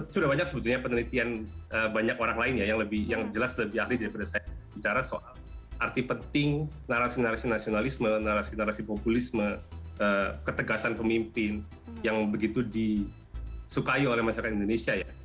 sudah banyak sebetulnya penelitian banyak orang lain ya yang jelas lebih ahli daripada saya bicara soal arti penting narasi narasi nasionalisme narasi narasi populisme ketegasan pemimpin yang begitu disukai oleh masyarakat indonesia ya